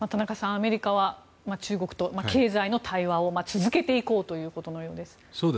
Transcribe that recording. アメリカは中国と経済の対話を続けていこうということのようです。